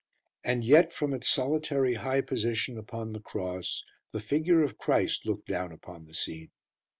And yet, from its solitary high position upon the cross, the figure of Christ looked down upon the scene.